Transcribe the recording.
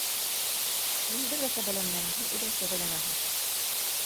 - Мин бер ҙә сәбәләнмәйем, һин үҙең сәбәләнәһең!